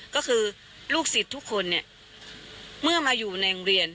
ก็คือลูกศิษย์ทุกคนเนี่ยเมื่อมาอยู่ในโรงเรียน